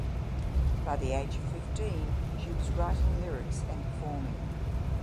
By the age of fifteen she was writing lyrics and performing.